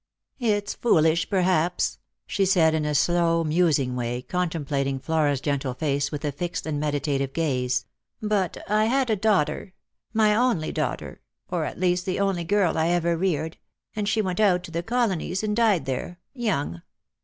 " It's foolish, perhaps," she said, in a slow musing way, con templating Flora's gentle face with a fixed and meditative gaze, " but I had a daughter — my only daughter, or at least the only girl I ever reared — and she went out to the colonies and died there — young.